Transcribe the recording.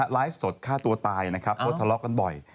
ไลฟ์สดฆ่าตัวตายนะครับเพราะทะเลาะกันบ่อย